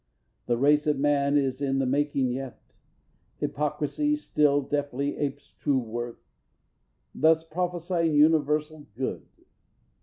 The race of man is in the making yet. Hypocrisy still deftly apes true worth Thus prophesying universal good.